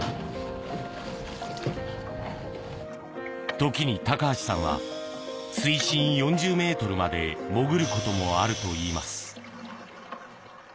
時に高橋さんは水深４０ｍまで潜ることもあるといいます。